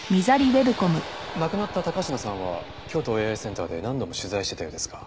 亡くなった高階さんは京都ＡＩセンターで何度も取材してたようですが。